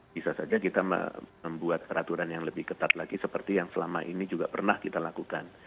bisa saja kita membuat peraturan yang lebih ketat lagi seperti yang selama ini juga pernah kita lakukan